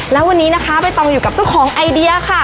แล้ววันนี้นะคะใบตองอยู่กับเจ้าของไอเดียค่ะ